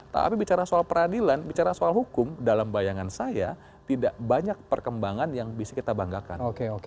tapi bicara soal peradilan bicara soal hukum dalam bayangan saya tidak banyak perkembangan yang bisa kita banggakan